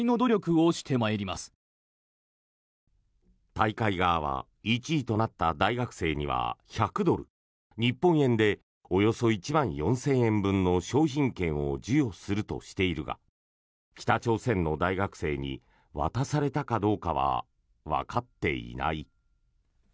大会側は１位となった大学生には１００ドル、日本円でおよそ１万４０００円分の商品券を授与するとしているが北朝鮮の大学生に渡されたかどうかはわかっていない。